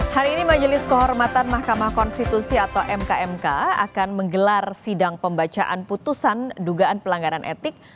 hari ini majelis kehormatan mahkamah konstitusi atau mkmk akan menggelar sidang pembacaan putusan dugaan pelanggaran etik